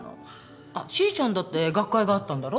あっしーちゃんだって学会があったんだろ？